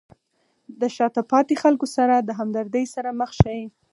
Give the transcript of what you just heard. د شاته پاتې خلکو سره د همدردۍ سره مخ شئ.